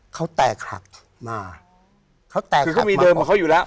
เขาแตกหักมาเขาแตกหักคือเขามีเดิมของเขาอยู่แล้ว